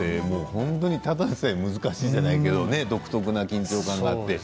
本当にただでさえ難しいじゃないけど独特な緊張感があって。